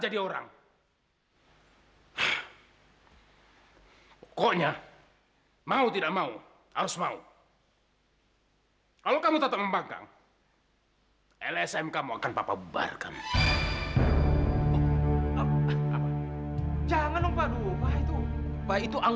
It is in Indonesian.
diam kamu aku bilang